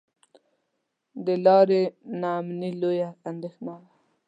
د لارې نا امني لویه اندېښنه وه.